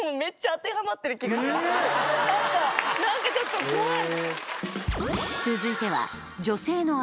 何か何かちょっと怖い。